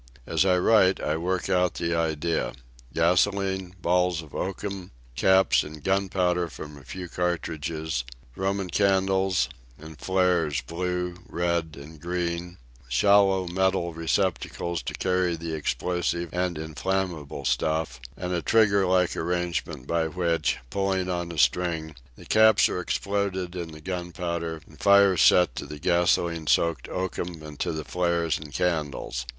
As I write I work out the idea—gasoline, balls of oakum, caps and gunpowder from a few cartridges, Roman candles, and flares blue, red, and green, shallow metal receptacles to carry the explosive and inflammable stuff; and a trigger like arrangement by which, pulling on a string, the caps are exploded in the gunpowder and fire set to the gasoline soaked oakum and to the flares and candles.